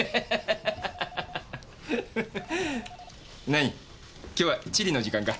何今日は地理の時間か？